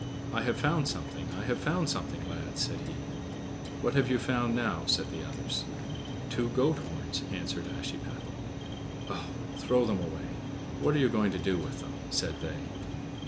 "I have found something! I have found something, lads!" said he. "What have you found now?" said the others. "Two goat horns," answered Ashiepattle. "Ugh! Throw them away! What are you going to do with them?" said they.